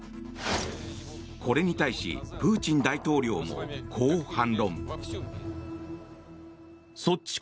これに対し、プーチン大統領もこう反論。